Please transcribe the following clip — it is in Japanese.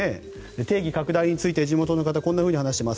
定義拡大について地元の方こう話しています。